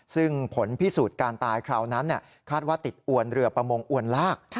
ซึ่งผลพิสูจน์การตายคราวนั้นคาดว่าติดอวนเรือประมงอวนลาก